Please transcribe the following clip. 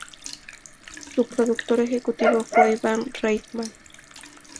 Su productor ejecutivo fue Ivan Reitman.